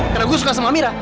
karena gue suka sama amira